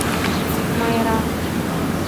Майра.